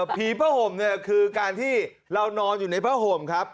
ผีผ้าห่มเนี่ยคือการที่เรานอนอยู่ในผ้าห่มครับ